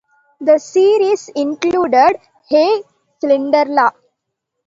The series included Hey, Cinderella!